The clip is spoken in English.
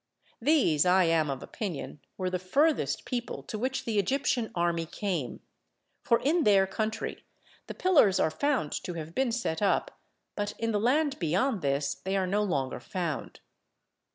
These, I am of opinion, were the furthest people to which the Egyptian army came, for in their country the pillars are found to have been set up, but in the land beyond this they are no longer found.